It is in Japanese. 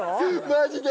マジで！